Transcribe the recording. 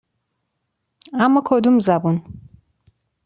اما کدوم زبون؟